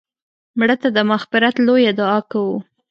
مړه ته د مغفرت لویه دعا کوو